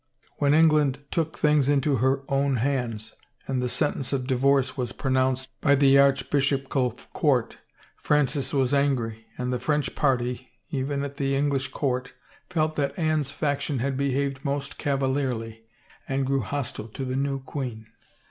When England took things into her own hands, and the sentence of divorce was pronounced by the archbishopcal court, Francis was angry and the French party, even at the English court, felt that Anne's faction had be haved most cavalierly and grew hostile to the new queen.